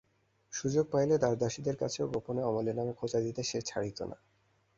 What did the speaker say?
সুযোগ পাইলেই দাসদাসীদের কাছেও গোপনে অমলের নামে খোঁচা দিতে সে ছাড়িত না।